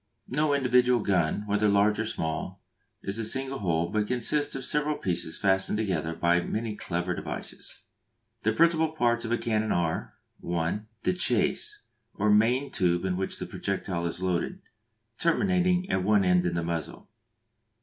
No individual gun, whether large or small, is a single whole, but consists of several pieces fastened together by many clever devices. The principal parts of a cannon are: (1) The chase, or main tube into which the projectile is loaded; terminating at one end in the muzzle.